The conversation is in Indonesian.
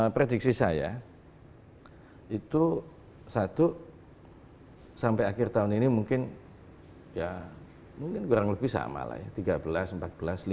prediksi saya itu satu sampai akhir tahun ini mungkin ya mungkin kurang lebih sama lah ya